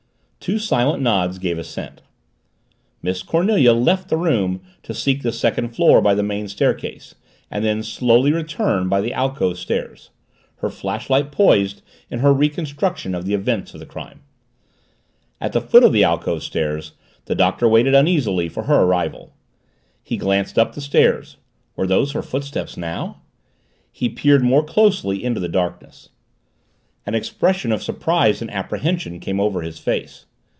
Two silent nods gave assent. Miss Cornelia left the room to seek the second floor by the main staircase and then slowly return by the alcove stairs, her flashlight poised, in her reconstruction of the events of the crime. At the foot of the alcove stairs the Doctor waited uneasily for her arrival. He glanced up the stairs were those her footsteps now? He peered more closely into the darkness. An expression of surprise and apprehension came over his face.